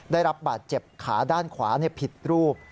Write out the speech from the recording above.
ได้รับบาดเจ็บขาด้านขวาผิดรูป